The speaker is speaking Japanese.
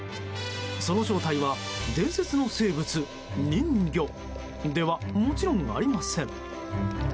その正体は伝説の生物、人魚ではもちろんありません。